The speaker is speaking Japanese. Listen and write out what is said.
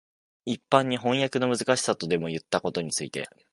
一般に飜訳のむずかしさとでもいったことについて、